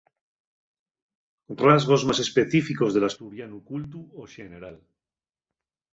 Rasgos más específicos del asturianu cultu o xeneral.